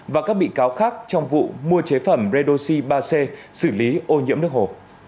và các bị cáo khác trong vụ mua chế phẩm redoxi ba c xử lý ô nhiễm nước hồ